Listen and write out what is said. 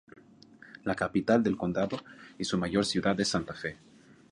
La capital del condado, y su mayor ciudad es Santa Fe.